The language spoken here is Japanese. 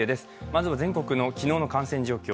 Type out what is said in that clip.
まずは全国の昨日の感染状況。